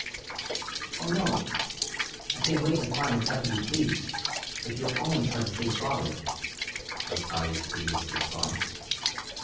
"O no! I can wait as long as ever you please, if you'll only try to save father," was Tottie's piteous response.